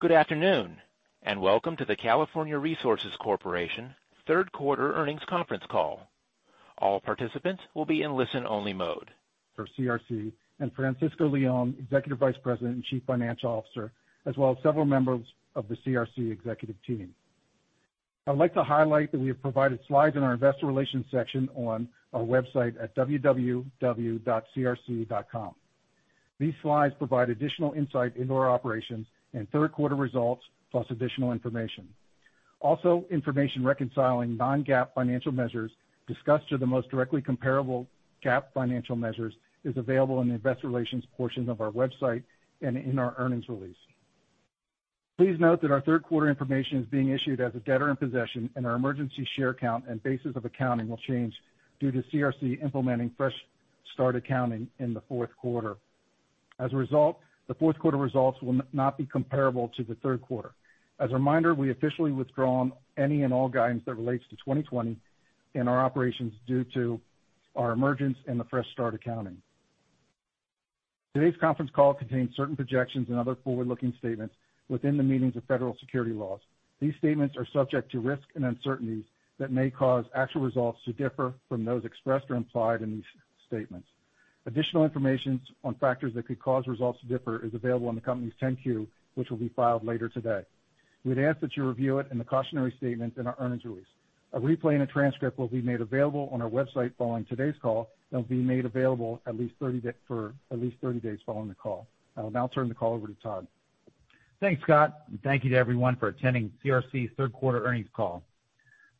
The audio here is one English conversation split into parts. Good afternoon, and welcome to the California Resources Corporation third quarter earnings conference call. All participants will be in listen only mode. For CRC, and Francisco Leon, Executive Vice President and Chief Financial Officer, as well as several members of the CRC executive team. I would like to highlight that we have provided slides in our investor relations section on our website at www.crc.com. These slides provide additional insight into our operations and third quarter results, plus additional information. Information reconciling non-GAAP financial measures discussed to the most directly comparable GAAP financial measures is available in the investor relations portion of our website and in our earnings release. Please note that our third quarter information is being issued as a debtor in possession, and our emergence share count and basis of accounting will change due to CRC implementing fresh start accounting in the fourth quarter. As a result, the fourth quarter results will not be comparable to the third quarter. As a reminder, we officially withdrawn any and all guidance that relates to 2020 and our operations due to our emergence and the fresh start accounting. Today's conference call contains certain projections and other forward-looking statements within the meanings of federal security laws. These statements are subject to risks and uncertainties that may cause actual results to differ from those expressed or implied in these statements. Additional information on factors that could cause results to differ is available in the company's 10-Q, which will be filed later today. We would ask that you review it and the cautionary statement in our earnings release. A replay and a transcript will be made available on our website following today's call and will be made available for at least 30 days following the call. I will now turn the call over to Todd. Thanks, Scott, and thank you to everyone for attending CRC's third quarter earnings call.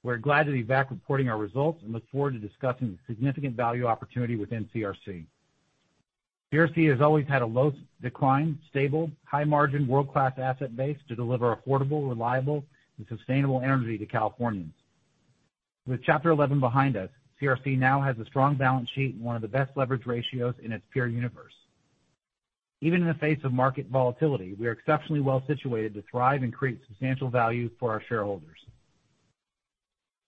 We're glad to be back reporting our results and look forward to discussing the significant value opportunity within CRC. CRC has always had a low decline, stable, high margin, world-class asset base to deliver affordable, reliable, and sustainable energy to Californians. With Chapter 11 behind us, CRC now has a strong balance sheet and one of the best leverage ratios in its peer universe. Even in the face of market volatility, we are exceptionally well situated to thrive and create substantial value for our shareholders.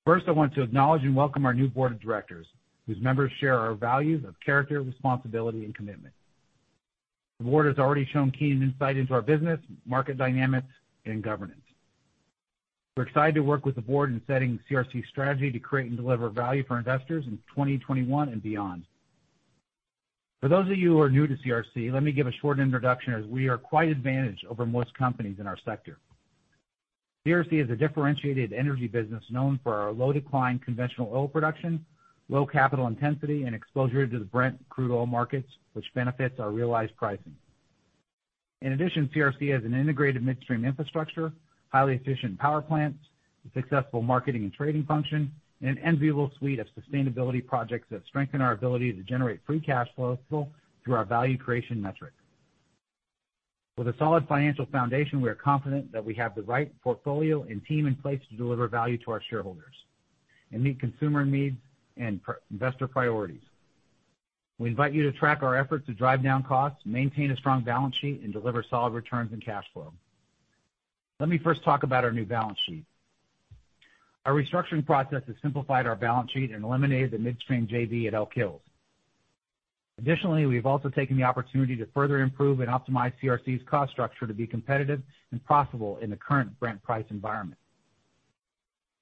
First, I want to acknowledge and welcome our new board of directors, whose members share our values of character, responsibility, and commitment. The board has already shown keen insight into our business, market dynamics, and governance. We're excited to work with the board in setting CRC's strategy to create and deliver value for investors in 2021 and beyond. For those of you who are new to CRC, let me give a short introduction, as we are quite advantaged over most companies in our sector. CRC is a differentiated energy business known for our low decline conventional oil production, low capital intensity, and exposure to the Brent crude oil markets, which benefits our realized pricing. In addition, CRC has an integrated midstream infrastructure, highly efficient power plants, a successful marketing and trading function, and an enviable suite of sustainability projects that strengthen our ability to generate free cash flow through our value creation index. With a solid financial foundation, we are confident that we have the right portfolio and team in place to deliver value to our shareholders and meet consumer needs and investor priorities. We invite you to track our efforts to drive down costs, maintain a strong balance sheet, and deliver solid returns and cash flow. Let me first talk about our new balance sheet. Our restructuring process has simplified our balance sheet and eliminated the midstream JV at Elk Hills. Additionally, we've also taken the opportunity to further improve and optimize CRC's cost structure to be competitive and profitable in the current Brent price environment.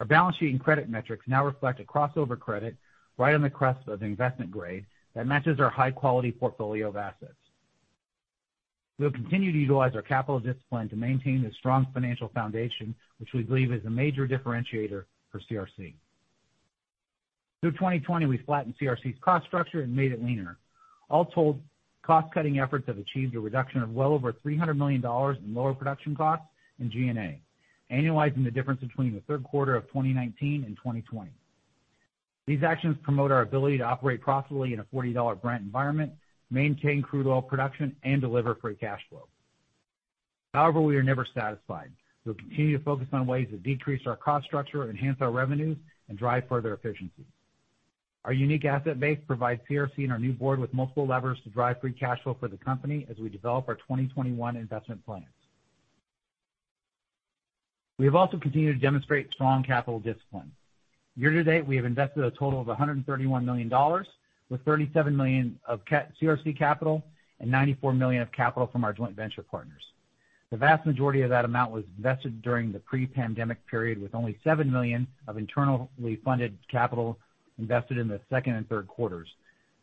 Our balance sheet and credit metrics now reflect a crossover credit right on the cusp of investment grade that matches our high-quality portfolio of assets. We'll continue to utilize our capital discipline to maintain a strong financial foundation, which we believe is a major differentiator for CRC. Through 2020, we flattened CRC's cost structure and made it leaner. All told, cost-cutting efforts have achieved a reduction of well over $300 million in lower production costs and G&A, annualizing the difference between the third quarter of 2019 and 2020. These actions promote our ability to operate profitably in a $40 Brent environment, maintain crude oil production, and deliver free cash flow. However, we are never satisfied. We'll continue to focus on ways to decrease our cost structure, enhance our revenues, and drive further efficiency. Our unique asset base provides CRC and our new board with multiple levers to drive free cash flow for the company as we develop our 2021 investment plans. We have also continued to demonstrate strong capital discipline. Year to date, we have invested a total of $131 million, with $37 million of CRC capital and $94 million of capital from our joint venture partners. The vast majority of that amount was invested during the pre-pandemic period, with only $7 million of internally funded capital invested in the second and third quarters.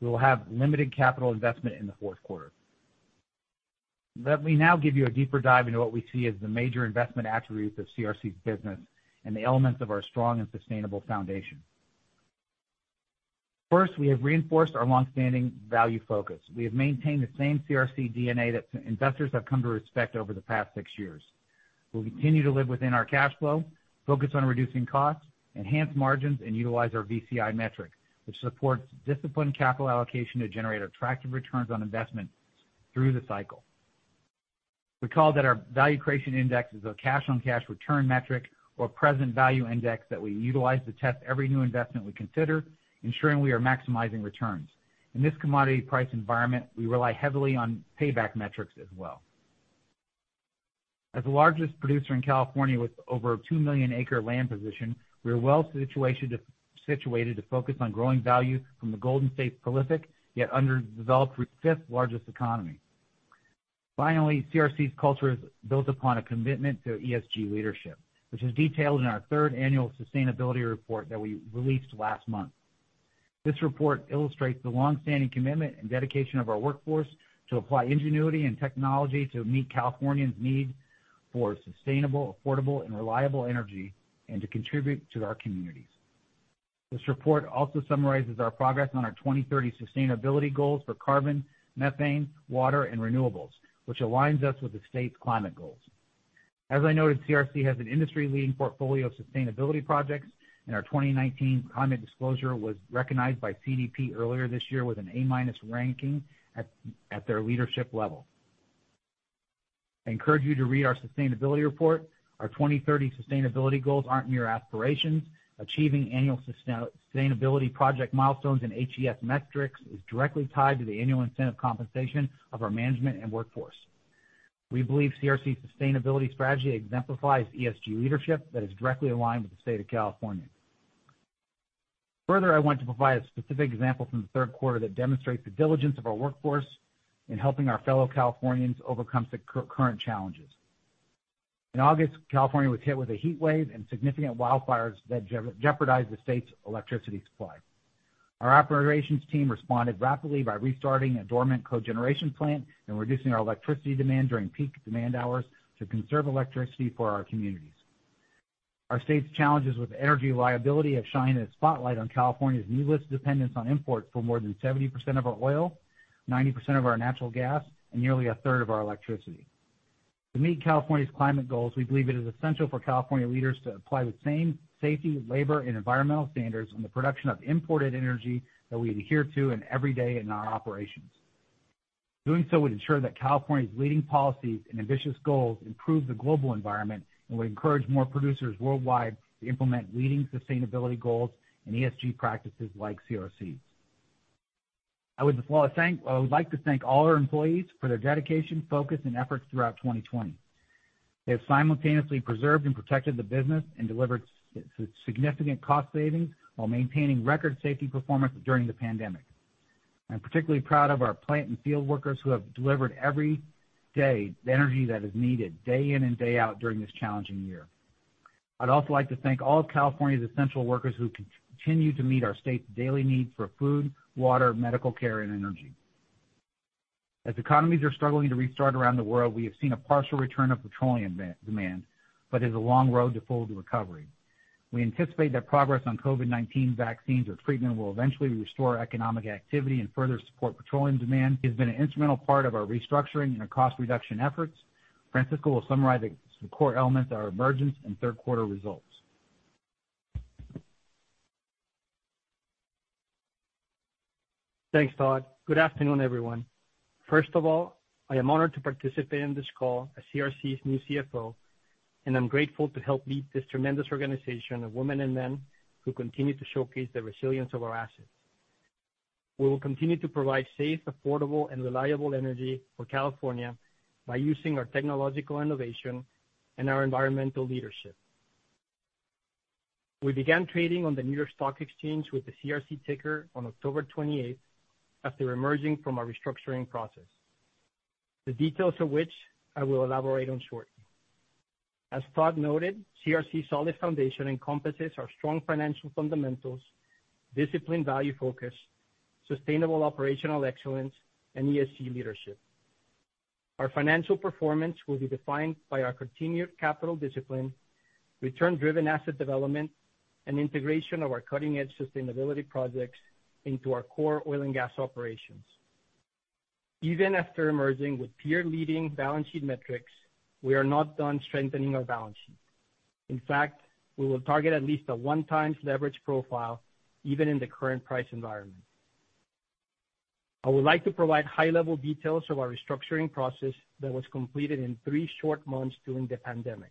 We will have limited capital investment in the fourth quarter. Let me now give you a deeper dive into what we see as the major investment attributes of CRC's business and the elements of our strong and sustainable foundation. First, we have reinforced our long-standing value focus. We have maintained the same CRC DNA that investors have come to respect over the past six years. We'll continue to live within our cash flow, focus on reducing costs, enhance margins, and utilize our VCI metric, which supports disciplined capital allocation to generate attractive returns on investment through the cycle. Recall that our value creation index is a cash-on-cash return metric or present value index that we utilize to test every new investment we consider, ensuring we are maximizing returns. In this commodity price environment, we rely heavily on payback metrics as well. As the largest producer in California with over a 2 million-acre land position, we are well-situated to focus on growing value from the Golden State's prolific, yet underdeveloped fifth largest economy. Finally, CRC's culture is built upon a commitment to ESG leadership, which is detailed in our third annual sustainability report that we released last month. This report illustrates the longstanding commitment and dedication of our workforce to apply ingenuity and technology to meet Californians' need for sustainable, affordable, and reliable energy, and to contribute to our communities. This report also summarizes our progress on our 2030 sustainability goals for carbon, methane, water, and renewables, which aligns us with the state's climate goals. As I noted, CRC has an industry-leading portfolio of sustainability projects, and our 2019 climate disclosure was recognized by CDP earlier this year with an A-minus ranking at their leadership level. I encourage you to read our sustainability report. Our 2030 sustainability goals aren't mere aspirations. Achieving annual sustainability project milestones and HES metrics is directly tied to the annual incentive compensation of our management and workforce. We believe CRC's sustainability strategy exemplifies ESG leadership that is directly aligned with the state of California. Further, I want to provide a specific example from the third quarter that demonstrates the diligence of our workforce in helping our fellow Californians overcome the current challenges. In August, California was hit with a heat wave and significant wildfires that jeopardized the state's electricity supply. Our operations team responded rapidly by restarting a dormant cogeneration plant and reducing our electricity demand during peak demand hours to conserve electricity for our communities. Our state's challenges with energy reliability have shined a spotlight on California's needless dependence on imports for more than 70% of our oil, 90% of our natural gas, and nearly a third of our electricity. To meet California's climate goals, we believe it is essential for California leaders to apply the same safety, labor, and environmental standards on the production of imported energy that we adhere to in every day in our operations. Doing so would ensure that California's leading policies and ambitious goals improve the global environment and would encourage more producers worldwide to implement leading sustainability goals and ESG practices like CRC. I would like to thank all our employees for their dedication, focus, and efforts throughout 2020. They have simultaneously preserved and protected the business and delivered significant cost savings while maintaining record safety performance during the pandemic. I'm particularly proud of our plant and field workers who have delivered every day the energy that is needed day in and day out during this challenging year. I'd also like to thank all of California's essential workers who continue to meet our state's daily need for food, water, medical care, and energy. As economies are struggling to restart around the world, we have seen a partial return of petroleum demand, but it is a long road to full recovery. We anticipate that progress on COVID-19 vaccines or treatment will eventually restore economic activity and further support petroleum demand. It's been an instrumental part of our restructuring and our cost reduction efforts. Francisco will summarize the core elements of our emergence and third quarter results. Thanks, Todd. Good afternoon, everyone. First of all, I am honored to participate in this call as CRC's new CFO, and I'm grateful to help lead this tremendous organization of women and men who continue to showcase the resilience of our assets. We will continue to provide safe, affordable, and reliable energy for California by using our technological innovation and our environmental leadership. We began trading on the New York Stock Exchange with the CRC ticker on October 28th after emerging from our restructuring process, the details of which I will elaborate on shortly. As Todd noted, CRC's solid foundation encompasses our strong financial fundamentals, disciplined value focus, sustainable operational excellence, and ESG leadership. Our financial performance will be defined by our continued capital discipline, return-driven asset development, and integration of our cutting-edge sustainability projects into our core oil and gas operations. Even after emerging with peer-leading balance sheet metrics, we are not done strengthening our balance sheet. In fact, we will target at least a 1x leverage profile, even in the current price environment. I would like to provide high-level details of our restructuring process that was completed in three short months during the pandemic.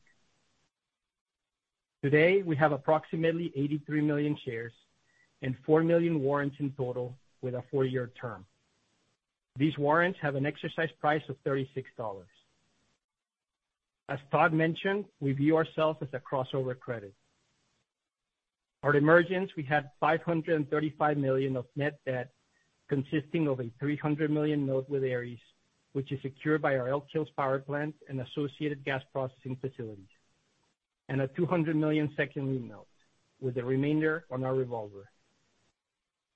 Today, we have approximately 83 million shares and 4 million warrants in total with a four-year term. These warrants have an exercise price of $36. As Todd mentioned, we view ourselves as a crossover credit. At emergence, we had $535 million of net debt, consisting of a $300 million note with Ares, which is secured by our Elk Hills power plant and associated gas processing facilities, and a $200 million second lien note, with the remainder on our revolver.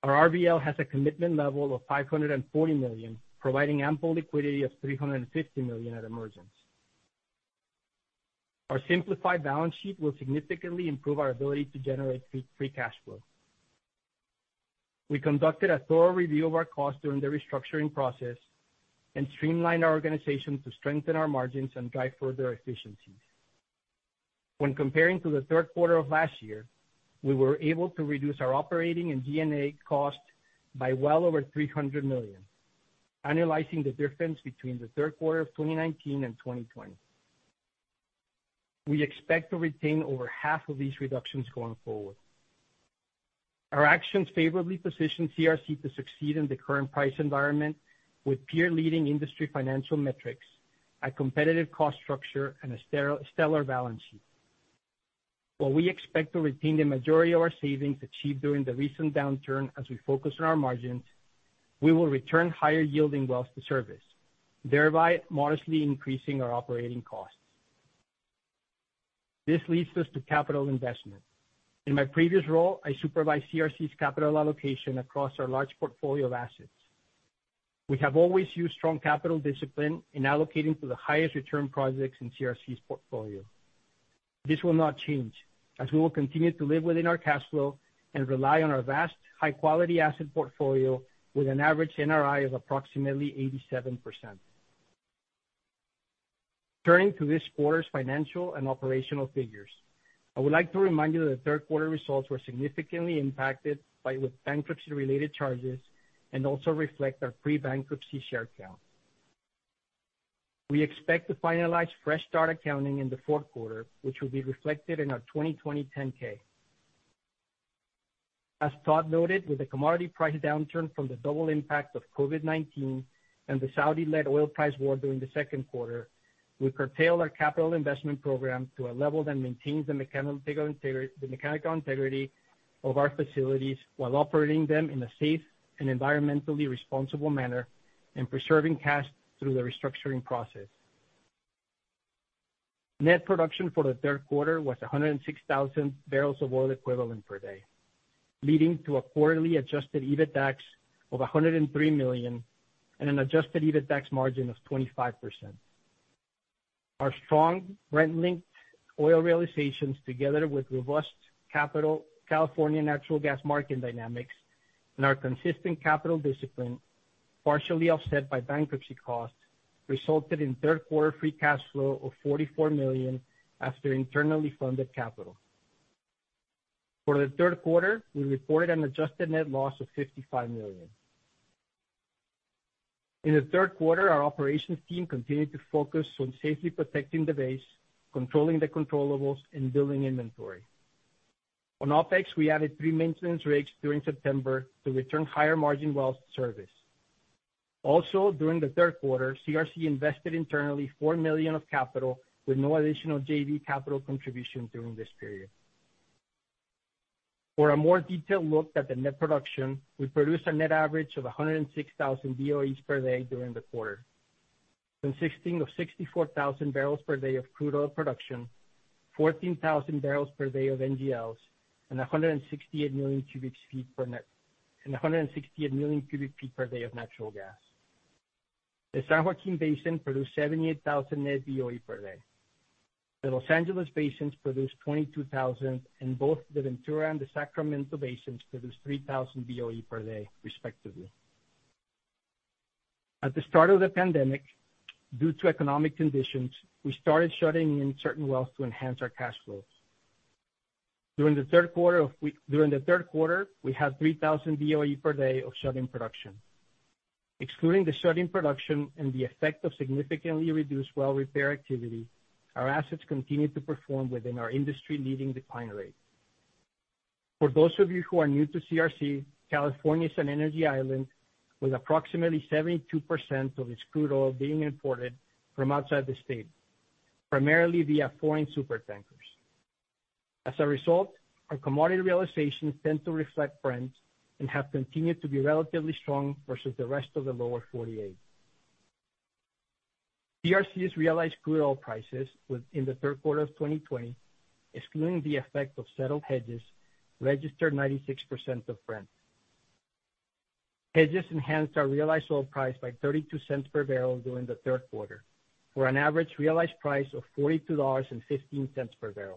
Our RBL has a commitment level of $540 million, providing ample liquidity of $350 million at emergence. Our simplified balance sheet will significantly improve our ability to generate free cash flow. We conducted a thorough review of our costs during the restructuring process and streamlined our organization to strengthen our margins and drive further efficiencies. When comparing to the third quarter of last year, we were able to reduce our operating and G&A costs by well over $300 million, annualizing the difference between the third quarter of 2019 and 2020. We expect to retain over half of these reductions going forward. Our actions favorably position CRC to succeed in the current price environment with peer-leading industry financial metrics. A competitive cost structure and a stellar balance sheet. While we expect to retain the majority of our savings achieved during the recent downturn as we focus on our margins, we will return higher yielding wells to service, thereby modestly increasing our operating costs. This leads us to capital investment. In my previous role, I supervised CRC's capital allocation across our large portfolio of assets. We have always used strong capital discipline in allocating to the highest return projects in CRC's portfolio. This will not change, as we will continue to live within our cash flow and rely on our vast high-quality asset portfolio with an average NRI of approximately 87%. Turning to this quarter's financial and operational figures. I would like to remind you that third quarter results were significantly impacted by bankruptcy-related charges and also reflect our pre-bankruptcy share count. We expect to finalize fresh start accounting in the fourth quarter, which will be reflected in our 2020 10-K. As Todd noted, with the commodity price downturn from the double impact of COVID-19 and the Saudi-led oil price war during the second quarter, we curtailed our capital investment program to a level that maintains the mechanical integrity of our facilities while operating them in a safe and environmentally responsible manner and preserving cash through the restructuring process. Net production for the third quarter was 106,000 bbl of oil equivalent per day, leading to a quarterly adjusted EBITDAX of $103 million and an adjusted EBITDAX margin of 25%. Our strong Brent-linked oil realizations, together with robust California natural gas market dynamics and our consistent capital discipline, partially offset by bankruptcy costs, resulted in third quarter free cash flow of $44 million after internally funded capital. For the third quarter, we reported an adjusted net loss of $55 million. In the third quarter, our operations team continued to focus on safely protecting the base, controlling the controllables, and building inventory. On OpEx, we added three maintenance rigs during September to return higher margin wells to service. Also, during the third quarter, CRC invested internally $4 million of capital with no additional JV capital contribution during this period. For a more detailed look at the net production, we produced a net average of 106,000 BOEs per day during the quarter, consisting of 64,000 bbl per day of crude oil production, 14,000 bbl per day of NGLs, and 168 million cubic feet per day of natural gas. The San Joaquin Basin produced 78,000 net BOE per day. The Los Angeles basin produced 22,000 and both the Ventura and the Sacramento basins produced 3,000 BOE per day, respectively. At the start of the pandemic, due to economic conditions, we started shutting in certain wells to enhance our cash flows. During the third quarter, we had 3,000 BOE per day of shut-in production. Excluding the shut-in production and the effect of significantly reduced well repair activity, our assets continued to perform within our industry-leading decline rate. For those of you who are new to CRC, California is an energy island with approximately 72% of its crude oil being imported from outside the state, primarily via foreign supertankers. As a result, our commodity realizations tend to reflect Brent and have continued to be relatively strong versus the rest of the Lower 48. CRC's realized crude oil prices in the third quarter of 2020, excluding the effect of settled hedges, registered 96% of Brent. Hedges enhanced our realized oil price by $0.32/bbl during the third quarter, for an average realized price of $42.15/bbl.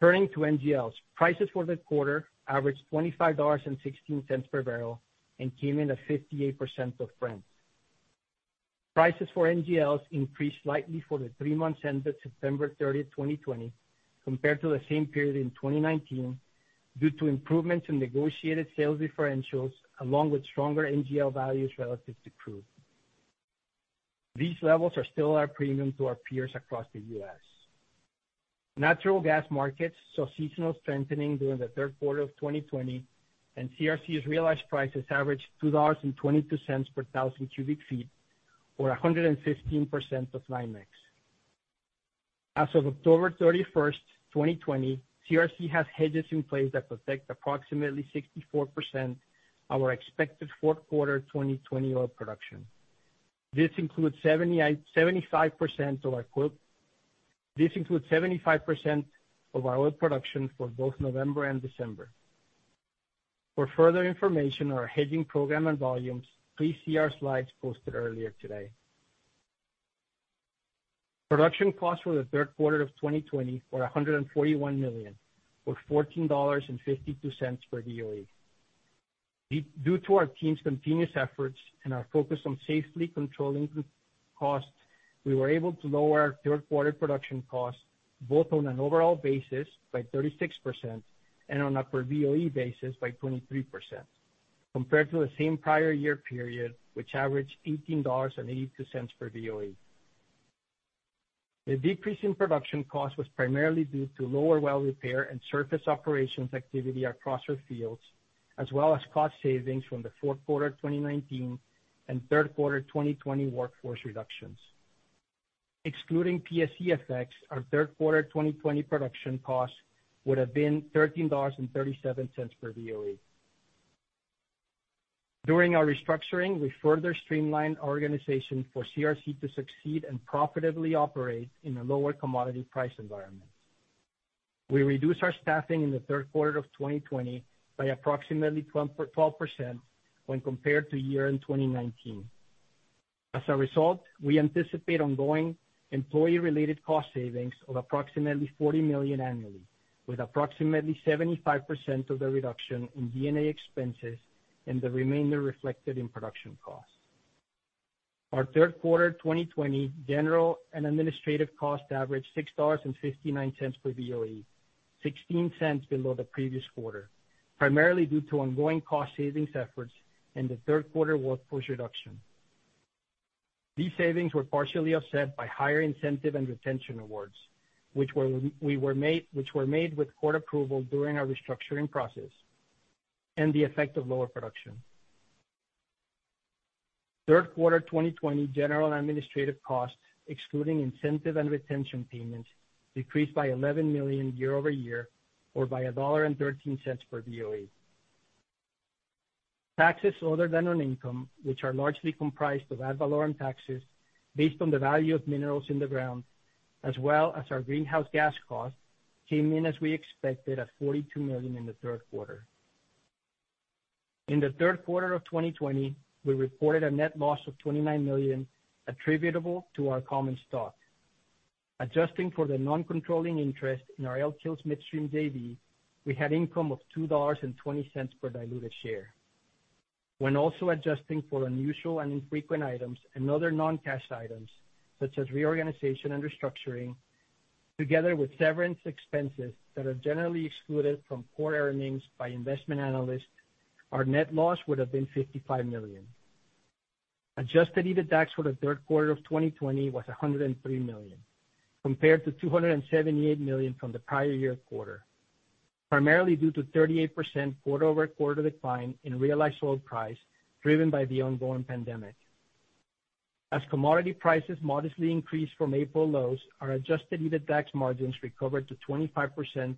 Turning to NGLs. Prices for the quarter averaged $25.16/bbl and came in at 58% of Brent. Prices for NGLs increased slightly for the three months ended September 30, 2020, compared to the same period in 2019, due to improvements in negotiated sales differentials, along with stronger NGL values relative to crude. These levels are still at a premium to our peers across the U.S.. Natural gas markets saw seasonal strengthening during the third quarter of 2020, and CRC's realized prices averaged $2.22 per 1,000 cu ft or 115% of NYMEX. As of October 31st, 2020, CRC has hedges in place that protect approximately 64% our expected fourth quarter 2020 oil production. This includes 75% of our oil production for both November and December. For further information on our hedging program and volumes, please see our slides posted earlier today. Production costs for the third quarter of 2020 were $141 million, or $14.52/BOE. Due to our team's continuous efforts and our focus on safely controlling costs, we were able to lower our third-quarter production costs both on an overall basis by 36% and on a per BOE basis by 23%, compared to the same prior year period, which averaged $18.82/BOE. The decrease in production cost was primarily due to lower well repair and surface operations activity across our fields, as well as cost savings from the fourth quarter 2019 and third quarter 2020 workforce reductions. Excluding PSC effects, our third quarter 2020 production costs would have been $13.37/BOE. During our restructuring, we further streamlined our organization for CRC to succeed and profitably operate in a lower commodity price environment. We reduced our staffing in the third quarter of 2020 by approximately 12% when compared to year-end 2019. As a result, we anticipate ongoing employee-related cost savings of approximately $40 million annually, with approximately 75% of the reduction in G&A expenses and the remainder reflected in production costs. Our third quarter 2020 general and administrative costs averaged $6.59/BOE, $0.16 below the previous quarter, primarily due to ongoing cost savings efforts and the third quarter workforce reduction. These savings were partially offset by higher incentive and retention awards, which were made with court approval during our restructuring process, and the effect of lower production. Third quarter 2020 general administrative costs, excluding incentive and retention payments, decreased by $11 million year-over-year or by $1.13/BOE. Taxes other than on income, which are largely comprised of ad valorem taxes based on the value of minerals in the ground, as well as our greenhouse gas cost, came in as we expected at $42 million in the third quarter. In the third quarter of 2020, we reported a net loss of $29 million attributable to our common stock. Adjusting for the non-controlling interest in our Elk Hills Midstream JV, we had income of $2.20 per diluted share. When also adjusting for unusual and infrequent items and other non-cash items such as reorganization and restructuring, together with severance expenses that are generally excluded from core earnings by investment analysts, our net loss would have been $55 million. Adjusted EBITDAX for the third quarter of 2020 was $103 million, compared to $278 million from the prior year quarter, primarily due to a 38% quarter-over-quarter decline in realized oil price driven by the ongoing pandemic. As commodity prices modestly increased from April lows, our adjusted EBITDAX margins recovered to 25%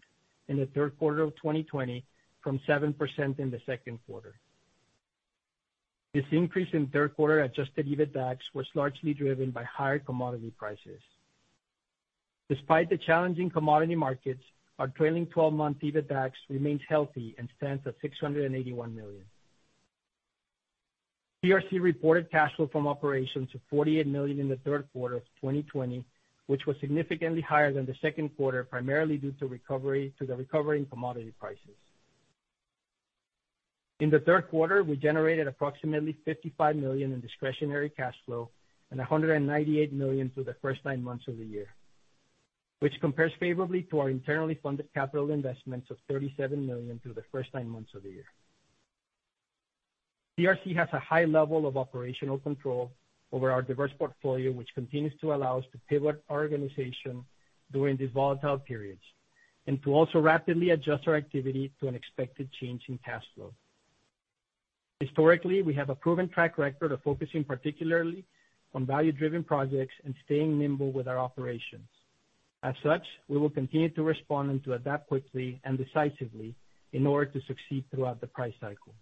in the third quarter of 2020 from 7% in the second quarter. This increase in third quarter adjusted EBITDAX was largely driven by higher commodity prices. Despite the challenging commodity markets, our trailing 12-month EBITDAX remains healthy and stands at $681 million. CRC reported cash flow from operations of $48 million in the third quarter of 2020, which was significantly higher than the second quarter, primarily due to the recovery in commodity prices. In the third quarter, we generated approximately $55 million in discretionary cash flow and $198 million through the first nine months of the year, which compares favorably to our internally funded capital investments of $37 million through the first nine months of the year. CRC has a high level of operational control over our diverse portfolio, which continues to allow us to pivot our organization during these volatile periods and to also rapidly adjust our activity to an expected change in cash flow. Historically, we have a proven track record of focusing particularly on value-driven projects and staying nimble with our operations. As such, we will continue to respond and to adapt quickly and decisively in order to succeed throughout the price cycle.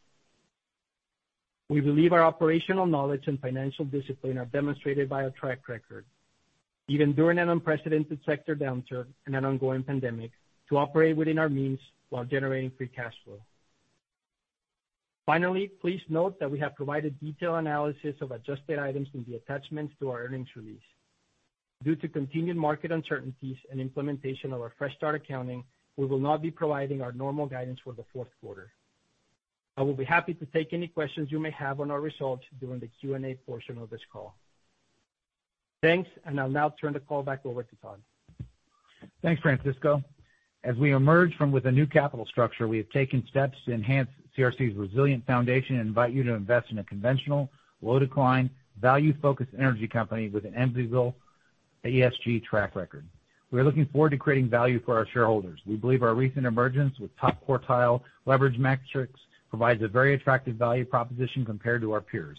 We believe our operational knowledge and financial discipline are demonstrated by our track record, even during an unprecedented sector downturn and an ongoing pandemic, to operate within our means while generating free cash flow. Finally, please note that we have provided detailed analysis of adjusted items in the attachments to our earnings release. Due to continued market uncertainties and implementation of our fresh start accounting, we will not be providing our normal guidance for the fourth quarter. I will be happy to take any questions you may have on our results during the Q&A portion of this call. Thanks, and I'll now turn the call back over to Todd. Thanks, Francisco. As we emerge with a new capital structure, we have taken steps to enhance CRC's resilient foundation and invite you to invest in a conventional, low decline, value-focused energy company with an enviable ESG track record. We are looking forward to creating value for our shareholders. We believe our recent emergence with top-quartile leverage metrics provides a very attractive value proposition compared to our peers.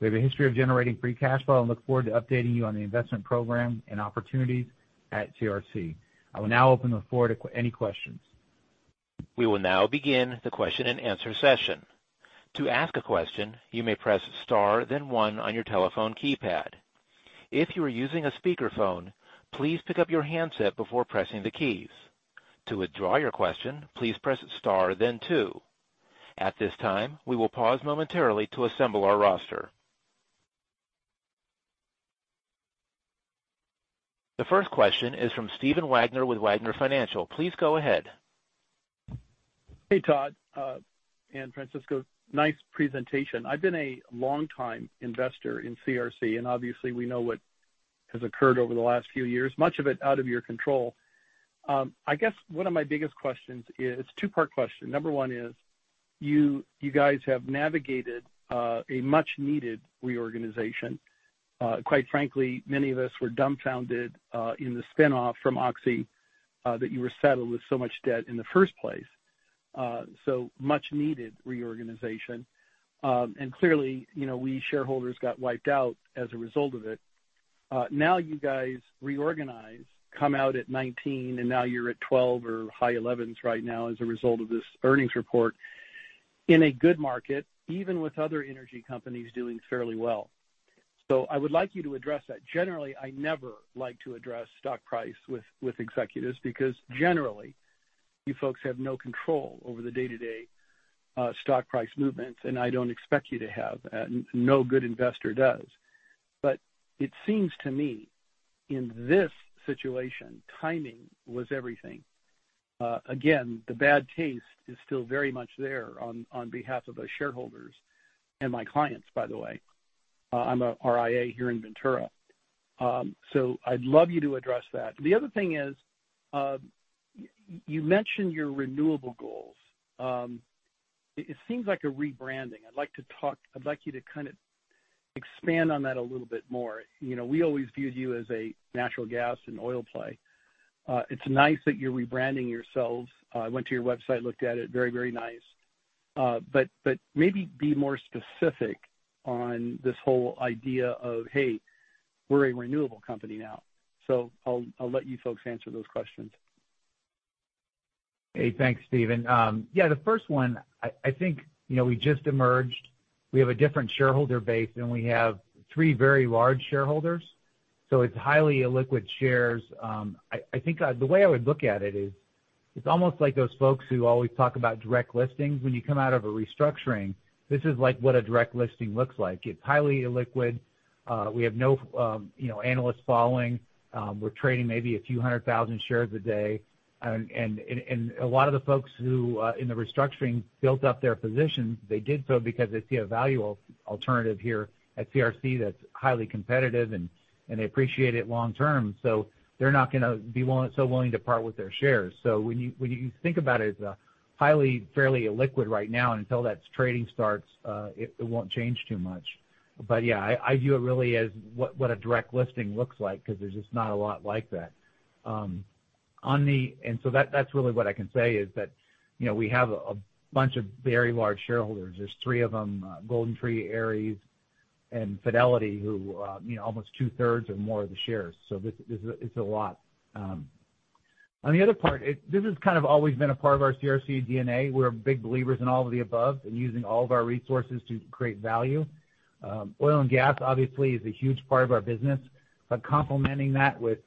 We have a history of generating free cash flow and look forward to updating you on the investment program and opportunities at CRC. I will now open the floor to any questions. We will now begin the question and answer session. To ask a question, you may press star, then one on your telephone keypad. If you are using a speakerphone, please pick up your handset before pressing the keys. To withdraw your question, please press star then two. At this time, we will pause momentarily to assemble our roster. The first question is from Stephen Wagner with Wagner Financial. Please go ahead. Hey, Todd and Francisco. Nice presentation. I've been a longtime investor in CRC, and obviously, we know what has occurred over the last few years, much of it out of your control. I guess one of my biggest questions, it's a two-part question. Number one is, you guys have navigated a much-needed reorganization. Quite frankly, many of us were dumbfounded in the spinoff from Oxy, that you were saddled with so much debt in the first place. Much-needed reorganization. Clearly, we shareholders got wiped out as a result of it. Now you guys reorganize, come out at $19, and now you're at $12 or high $11s right now as a result of this earnings report in a good market, even with other energy companies doing fairly well. I would like you to address that. Generally, I never like to address stock price with executives, because generally, you folks have no control over the day-to-day stock price movements, and I don't expect you to have that, and no good investor does. It seems to me in this situation, timing was everything. Again, the bad taste is still very much there on behalf of the shareholders and my clients, by the way. I'm a RIA here in Ventura. I'd love you to address that. The other thing is, you mentioned your renewable goals. It seems like a rebranding. I'd like you to expand on that a little bit more. We always viewed you as a natural gas and oil play. It's nice that you're rebranding yourselves. I went to your website, looked at it, very nice. Maybe be more specific on this whole idea of, "Hey, we're a renewable company now." I'll let you folks answer those questions. Hey, thanks, Stephen. Yeah, the first one, I think, we just emerged. We have a different shareholder base, and we have three very large shareholders, so it's highly illiquid shares. I think the way I would look at it is, it's almost like those folks who always talk about direct listings. When you come out of a restructuring, this is like what a direct listing looks like. It's highly illiquid. We have no analyst following. We're trading maybe a few 100,00 shares a day. A lot of the folks who, in the restructuring, built up their positions, they did so because they see a value alternative here at CRC that's highly competitive, and they appreciate it long term. They're not going to be so willing to part with their shares. When you think about it's highly, fairly illiquid right now, and until that trading starts, it won't change too much. Yeah, I view it really as what a direct listing looks like, because there's just not a lot like that. That's really what I can say is that, we have a bunch of very large shareholders. There's three of them, GoldenTree, Ares, and Fidelity, who own almost 2/3 or more of the shares. It's a lot. On the other part, this has kind of always been a part of our CRC DNA. We're big believers in all of the above and using all of our resources to create value. Oil and gas obviously is a huge part of our business, but complementing that with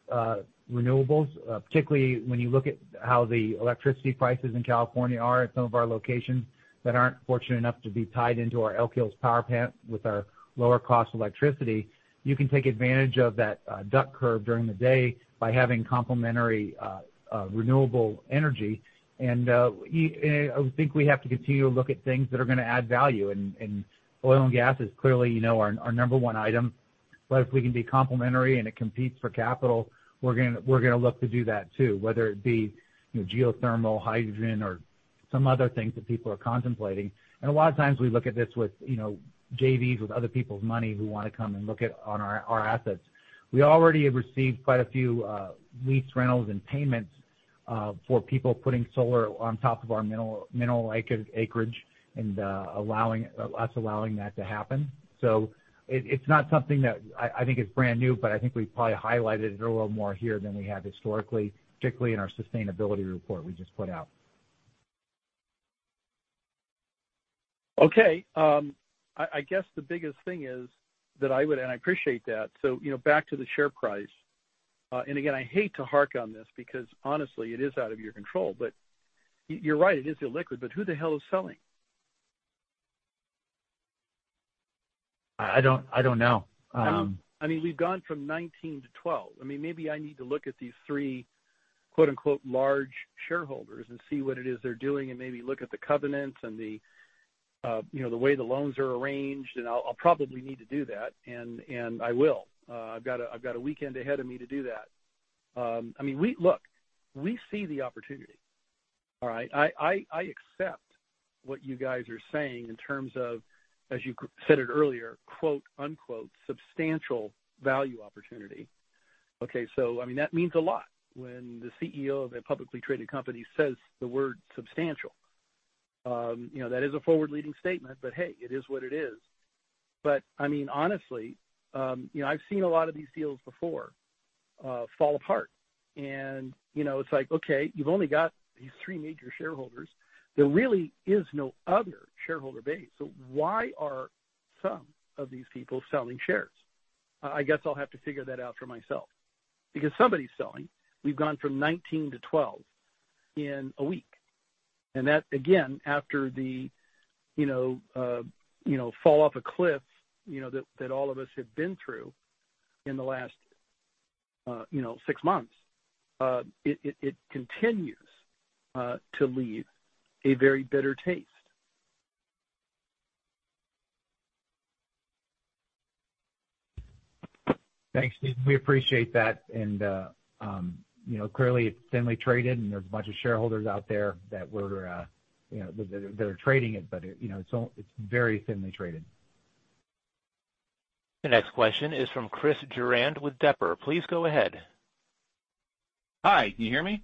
renewables, particularly when you look at how the electricity prices in California are at some of our locations that aren't fortunate enough to be tied into our Elk Hills power plant with our lower cost electricity. You can take advantage of that duck curve during the day by having complementary renewable energy. I think we have to continue to look at things that are going to add value, and oil and gas is clearly our number one item. If we can be complementary and it competes for capital, we're going to look to do that too. Whether it be geothermal, hydrogen, or some other things that people are contemplating. A lot of times we look at this with JVs, with other people's money, who want to come and look at our assets. We already have received quite a few lease rentals and payments for people putting solar on top of our mineral acreage and us allowing that to happen. It's not something that I think is brand new, but I think we've probably highlighted it a little more here than we have historically, particularly in our sustainability report we just put out. Okay. I guess the biggest thing is that I appreciate that. Back to the share price. Again, I hate to hark on this because honestly, it is out of your control, but you're right, it is illiquid, but who the hell is selling? I don't know. We've gone from $19 to $12. Maybe I need to look at these three, quote unquote, "large shareholders" and see what it is they're doing and maybe look at the covenants and the way the loans are arranged, I'll probably need to do that. I will. I've got a weekend ahead of me to do that. Look, we see the opportunity, all right? I accept what you guys are saying in terms of, as you said it earlier, quote unquote, "substantial value opportunity." Okay. That means a lot when the CEO of a publicly traded company says the word substantial. That is a forward-leading statement, but hey, it is what it is. Honestly, I've seen a lot of these deals before fall apart. It's like, okay, you've only got these three major shareholders. There really is no other shareholder base. Why are some of these people selling shares? I guess I'll have to figure that out for myself. Somebody's selling. We've gone from $19 to $12 in a week. That, again, after the fall off a cliff that all of us have been through in the last six months. It continues to leave a very bitter taste. Thanks, Stephen. We appreciate that. Clearly it's thinly traded, and there's a bunch of shareholders out there that are trading it, but it's very thinly traded. The next question is from Chris Durand with Depper. Please go ahead. Hi. Can you hear me?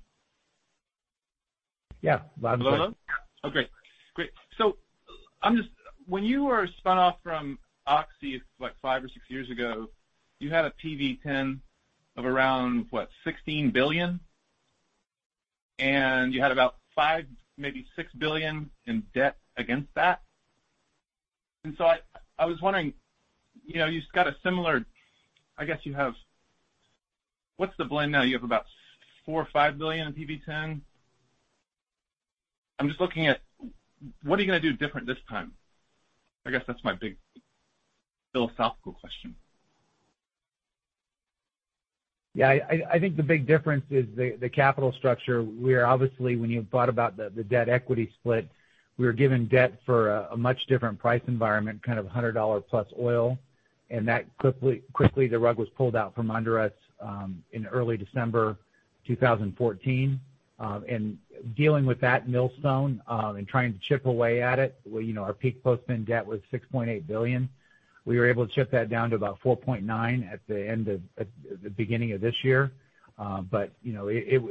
Yeah. Loud and clear. Hello? Oh, great. When you were spun off from Oxy, what, five or six years ago, you had a PV-10 of around, what, $16 billion? You had about $5 billion, maybe $6 billion in debt against that. I was wondering, I guess you have. What's the blend now? You have about $4 billion or $5 billion in PV-10. I'm just looking at what are you going to do different this time? I guess that's my big philosophical question. Yeah. I think the big difference is the capital structure. We are obviously, when you thought about the debt equity split, we were given debt for a much different price environment, kind of $100+ oil. Quickly, the rug was pulled out from under us in early December 2014. Dealing with that millstone, and trying to chip away at it, our peak post-spin debt was $6.8 billion. We were able to chip that down to about $4.9 billion at the beginning of this year. It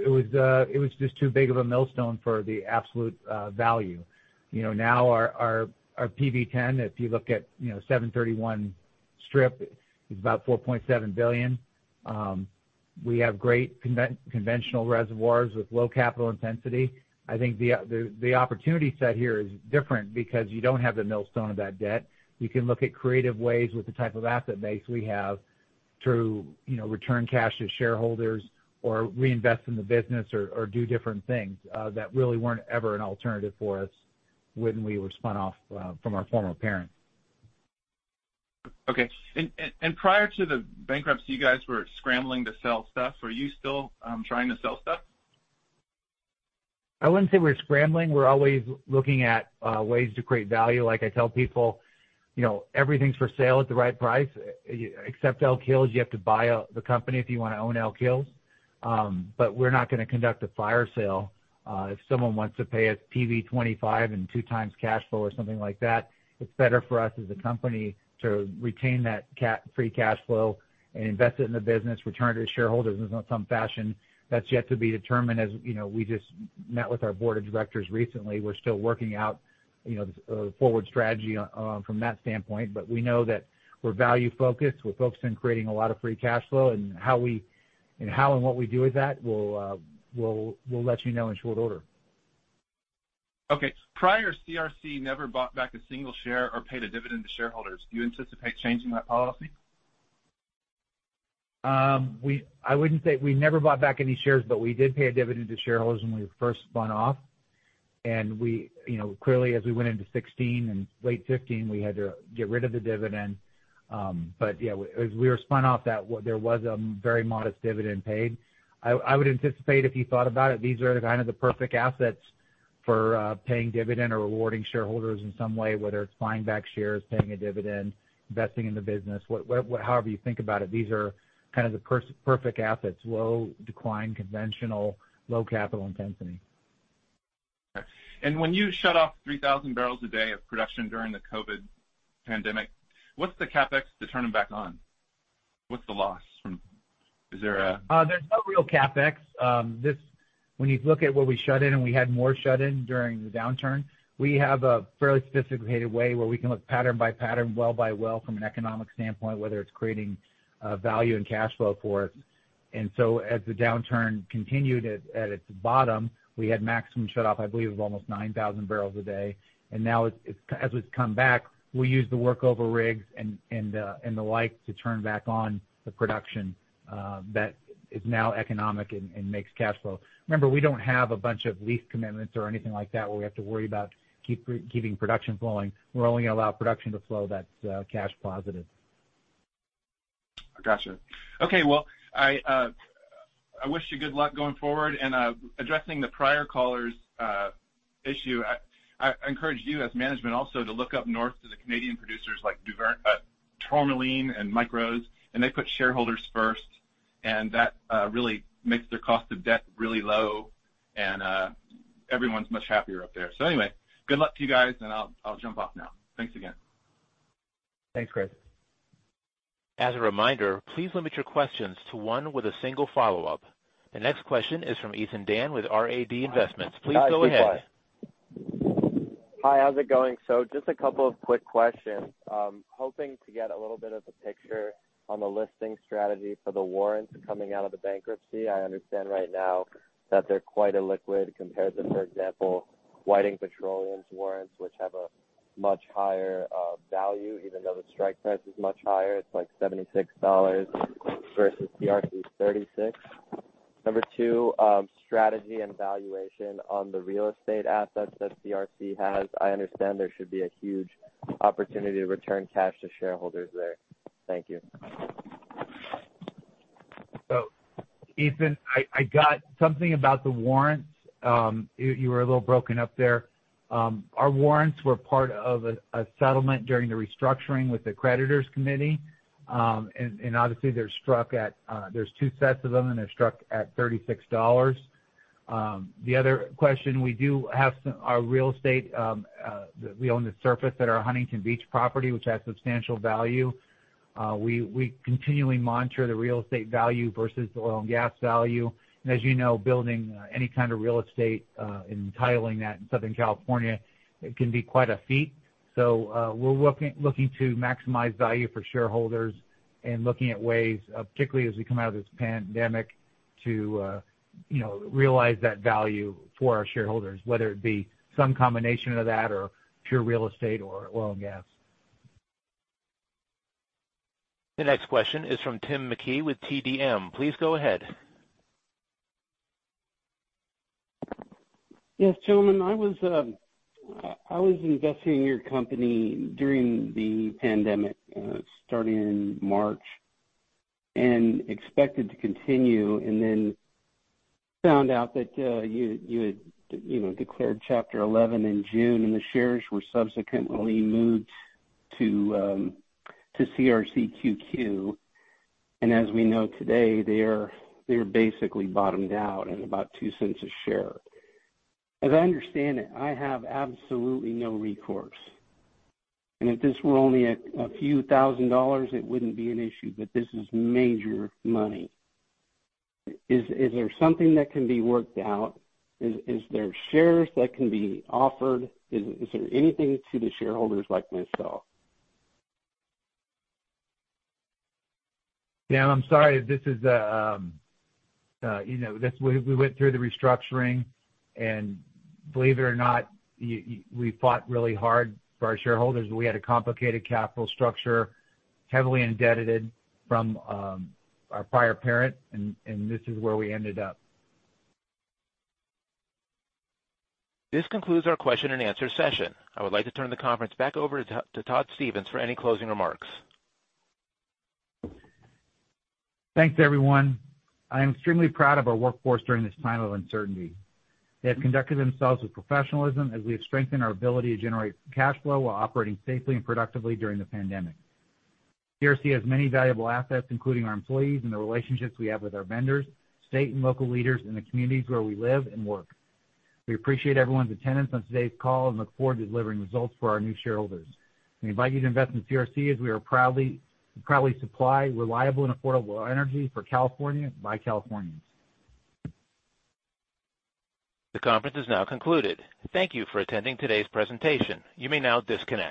was just too big of a millstone for the absolute value. Now our PV-10, if you look at July 31 strip, is about $4.7 billion. We have great conventional reservoirs with low capital intensity. I think the opportunity set here is different because you don't have the millstone of that debt. You can look at creative ways with the type of asset base we have through return cash to shareholders or reinvest in the business or do different things, that really weren't ever an alternative for us when we were spun off from our former parent. Okay. Prior to the bankruptcy, you guys were scrambling to sell stuff. Are you still trying to sell stuff? I wouldn't say we're scrambling. We're always looking at ways to create value. Like I tell people, everything's for sale at the right price, except Elk Hills. You have to buy out the company if you want to own Elk Hills. We're not going to conduct a fire sale. If someone wants to pay us PV-25 and 2x cash flow or something like that, it's better for us as a company to retain that free cash flow and invest it in the business, return it to shareholders in some fashion. That's yet to be determined, as we just met with our board of directors recently. We're still working out the forward strategy from that standpoint. We know that we're value-focused. We're focused on creating a lot of free cash flow, how and what we do with that, we'll let you know in short order. Okay. Prior, CRC never bought back a single share or paid a dividend to shareholders. Do you anticipate changing that policy? I wouldn't say we never bought back any shares, but we did pay a dividend to shareholders when we first spun off. Clearly, as we went into 2016 and late 2015, we had to get rid of the dividend. Yeah, as we were spun off, there was a very modest dividend paid. I would anticipate if you thought about it, these are kind of the perfect assets for paying dividend or rewarding shareholders in some way, whether it's buying back shares, paying a dividend, investing in the business. However you think about it, these are kind of the perfect assets, low decline, conventional, low capital intensity. Okay. When you shut off 3,000 bbl a day of production during the COVID pandemic, what's the CapEx to turn them back on? What's the loss from? There's no real CapEx. When you look at what we shut in, and we had more shut in during the downturn, we have a fairly sophisticated way where we can look pattern by pattern, well by well, from an economic standpoint, whether it's creating value and cash flow for it. As the downturn continued at its bottom, we had maximum shut off, I believe it was almost 9,000 bbl a day. As it's come back, we use the workover rigs and the like to turn back on the production that is now economic and makes cash flow. Remember, we don't have a bunch of lease commitments or anything like that where we have to worry about keeping production flowing. We're only going to allow production to flow that's cash positive. Got you. Okay. Well, I wish you good luck going forward. Addressing the prior caller's issue, I encourage you as management also to look up north to the Canadian producers like Tourmaline and Micros, and they put shareholders first, and that really makes their cost of debt really low, and everyone's much happier up there. Anyway, good luck to you guys, and I'll jump off now. Thanks again. Thanks, Chris. As a reminder, please limit your questions to one with a single follow-up. The next question is from Ethan Dan with RAD Investments. Please go ahead. Hi. How's it going? Just a couple of quick questions. Hoping to get a little bit of a picture on the listing strategy for the warrants coming out of the bankruptcy. I understand right now that they're quite illiquid compared to, for example, Whiting Petroleum's warrants, which have a much higher value, even though the strike price is much higher. It's like $76 versus CRC's $36. Number two, strategy and valuation on the real estate assets that CRC has. I understand there should be a huge opportunity to return cash to shareholders there. Thank you. Ethan, I got something about the warrants. You were a little broken up there. Our warrants were part of a settlement during the restructuring with the creditors committee. Obviously there's two sets of them, and they're struck at $36. The other question, we do have our real estate. We own the surface at our Huntington Beach property, which has substantial value. We continually monitor the real estate value versus the oil and gas value. As you know, building any kind of real estate, and titling that in Southern California can be quite a feat. We're looking to maximize value for shareholders and looking at ways, particularly as we come out of this pandemic, to realize that value for our shareholders, whether it be some combination of that or pure real estate or oil and gas. The next question is from Tim McKee with TDM. Please go ahead. Yes, gentlemen. I was investing in your company during the pandemic, starting in March, and expected to continue, and then found out that you had declared Chapter 11 in June, and the shares were subsequently moved to CRCQQ. As we know today, they are basically bottomed out at about $0.02 a share. As I understand it, I have absolutely no recourse, and if this were only a few thousand dollars, it wouldn't be an issue, but this is major money. Is there something that can be worked out? Is there shares that can be offered? Is there anything to the shareholders like myself? Tim, I'm sorry. We went through the restructuring and believe it or not, we fought really hard for our shareholders. We had a complicated capital structure, heavily indebted from our prior parent. This is where we ended up. This concludes our question and answer session. I would like to turn the conference back over to Todd Stevens for any closing remarks. Thanks everyone. I am extremely proud of our workforce during this time of uncertainty. They have conducted themselves with professionalism as we have strengthened our ability to generate cash flow while operating safely and productively during the pandemic. CRC has many valuable assets, including our employees and the relationships we have with our vendors, state and local leaders in the communities where we live and work. We appreciate everyone's attendance on today's call and look forward to delivering results for our new shareholders. We invite you to invest in CRC as we proudly supply reliable and affordable energy for California by Californians. The conference is now concluded. Thank you for attending today's presentation. You may now disconnect.